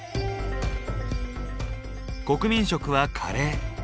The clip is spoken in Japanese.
国民食はカレー。